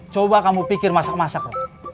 coba kamu pikir masak masak